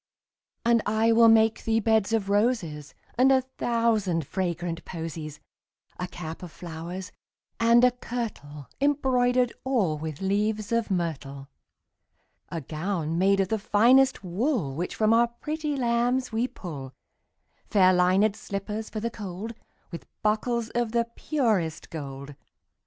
And I will make thee beds of roses And a thousand fragrant posies; 10 A cap of flowers, and a kirtle Embroider'd all with leaves of myrtle. A gown made of the finest wool Which from our pretty lambs we pull; Fair linèd slippers for the cold, 15 With buckles of the purest gold.